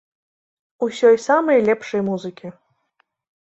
Усёй самай лепшай музыкі!